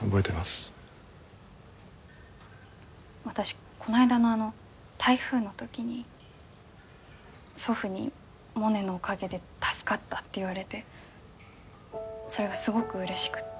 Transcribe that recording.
私こないだの台風の時に祖父にモネのおかげで助かったって言われてそれがすごくうれしくって。